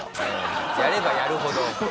やればやるほど？